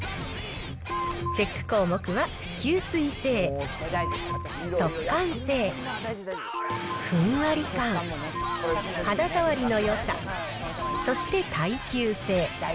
チェック項目は吸水性、速乾性、ふんわり感、肌触りのよさ、そして耐久性。